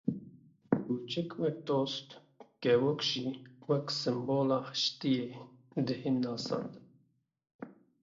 Kûçik wek dost, û kevok jî wek symbola aştiyê dihên nasandin